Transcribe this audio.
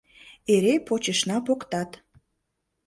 Эре почешна поктат.